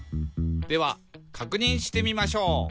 「ではかくにんしてみましょう」